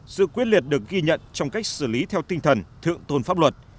sự quyết liệt được ghi nhận trong cách xử lý theo tinh thần thượng tôn pháp luật